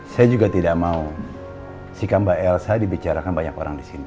saya juga tidak mau sikap mbak elsa dibicarakan banyak orang di sini